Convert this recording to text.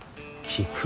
聞く？